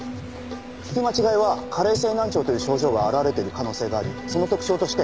聞き間違いは加齢性難聴という症状が表れている可能性がありその特徴として。